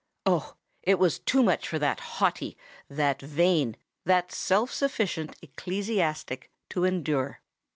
Oh! it was too much for that haughty—that vain—that self sufficient ecclesiastic to endure!